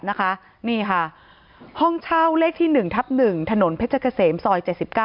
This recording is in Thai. นี่ค่ะห้องเช่าเลขที่๑ทับ๑ถนนเพชรเกษมซอย๗๙